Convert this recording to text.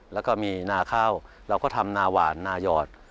แล้วก็มีนาข้าวเราก็ทำนาหวานนายอด